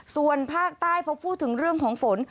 ส่วนภาคใต้พอพูดถึงเรื่องของฝน